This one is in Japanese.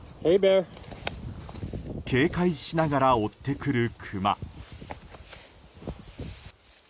警戒しながら追ってくるクマ。